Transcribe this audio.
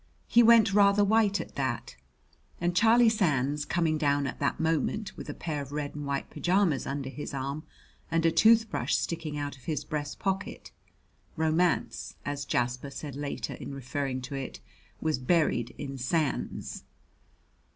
He went rather white at that, and Charlie Sands coming down at that moment with a pair of red and white pajamas under his arm and a toothbrush sticking out of his breast pocket, romance, as Jasper said later in referring to it, "was buried in Sands."